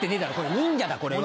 忍者だこれは。